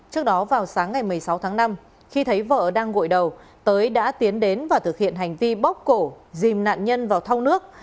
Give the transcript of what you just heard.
trước đó vào sáng ngày một mươi sáu tháng năm khi thấy vợ đang gội đầu tới đã tiến đến và thực hiện hành vi bóc cổ dìm nạn nhân vào thu nước